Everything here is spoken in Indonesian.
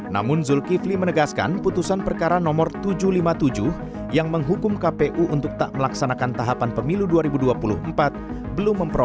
namun zulkifli menegaskan putusan perkara nomor tujuh ratus lima puluh tujuh yang menghukum kpu untuk tak melaksanakan tahapan pemilu